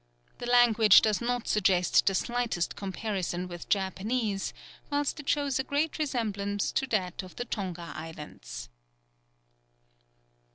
The language does not suggest the slightest comparison with Japanese, whilst it shows a great resemblance to that of the Tonga Islands.